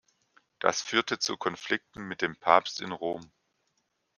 Das führte zu Konflikten mit dem Papst in Rom.